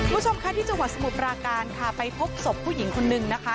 คุณผู้ชมค่ะที่จังหวัดสมุทรปราการค่ะไปพบศพผู้หญิงคนนึงนะคะ